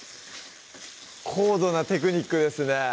高度なテクニックですね